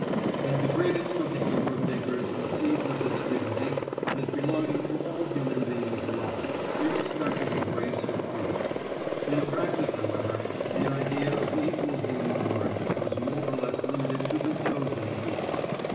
And the greatest of the Hebrew thinkers conceived of this dignity as belonging to all human beings alike, irrespective of race or creed. In practice, however, the idea of equal human worth was more or less limited to the Chosen People.